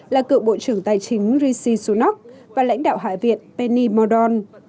là cựu bộ trưởng tài chính rishi sunak và lãnh đạo hải viện penny maldon